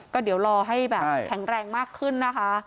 ก็เดี๋ยวรอให้แบบแข็งแรงมากขึ้นนะคะ